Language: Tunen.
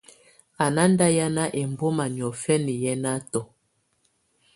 Á ná ndá hiána ɛmbɔma niɔ̀fɛna yɛnatɔ.